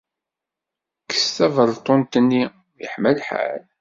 Kkes tabalṭunt-nni, yeḥma lḥal